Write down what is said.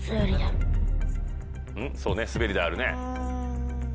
そうねすべり台あるね。